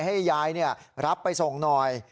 ให้ยายรับไปส่งหน่อย